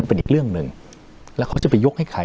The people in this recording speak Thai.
เป็นอีกเรื่องหนึ่งแล้วเขาจะไปยกให้ใคร